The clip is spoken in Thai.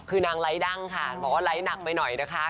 คือนางไลค์ดั้งค่ะบอกว่าไลค์หนักไปหน่อยนะคะ